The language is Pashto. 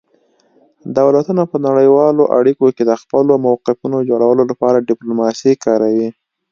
دولتونه په نړیوالو اړیکو کې د خپلو موقفونو جوړولو لپاره ډیپلوماسي کاروي